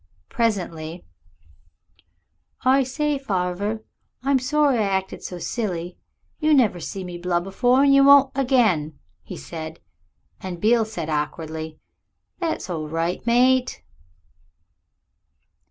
Presently "I say, farver, I'm sorry I acted so silly. You never see me blub afore and you won't again," he said; and Beale said awkwardly, "That's all right, mate."